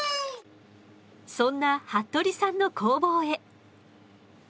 そんな服部さんの工房へ。